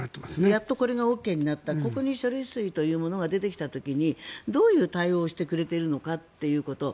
やっとこれがＯＫになったここに処理水が出てきた時にどういう対応をしてくれているのかということ。